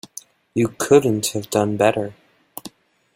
You couldn't have done better.